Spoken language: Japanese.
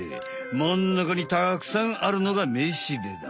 まんなかにたくさんあるのがめしべだ。